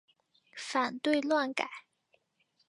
反对乱改！